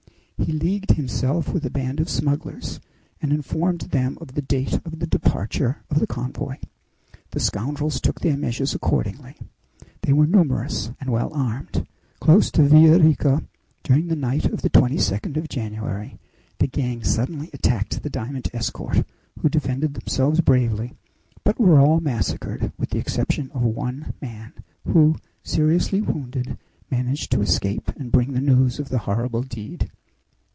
He leagued himself with a band of smugglers, and informed them of the date of the departure of the convoy. The scoundrels took their measures accordingly. They were numerous and well armed. Close to Villa Rica, during the night of the 22d of January, the gang suddenly attacked the diamond escort, who defended themselves bravely, but were all massacred, with the exception of one man, who, seriously wounded, managed to escape and bring the news of the horrible deed.